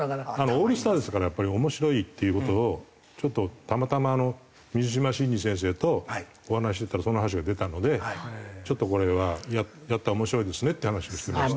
オールスターですからやっぱり面白いっていう事をちょっとたまたま水島新司先生とお話ししてたらその話が出たのでちょっとこれはやったら面白いですねって話をしてまして。